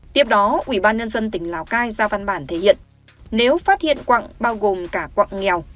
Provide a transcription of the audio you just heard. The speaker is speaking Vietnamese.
tiếp đó ubnd tỉnh lào cai ra văn bản thể hiện nếu phát hiện quặng bao gồm cả quặng nghèo